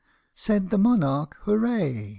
Said the monarch, " Hooray !